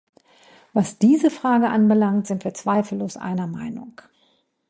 Was diese Frage anbelangt, sind wir zweifellos einer Meinung.